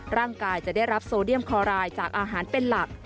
จะได้รับโซเดียมคอรายจากอาหารเป็นหลัก